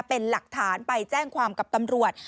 เป็นหลักฐานไปแจ้งความกับตำรวจ